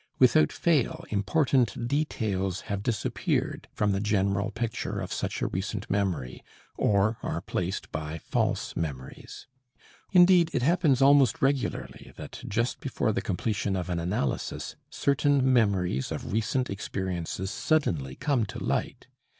Without fail important details have disappeared from the general picture of such a recent memory, or are placed by false memories. Indeed it happens almost regularly that just before the completion of an analysis, certain memories of recent experiences suddenly come to light.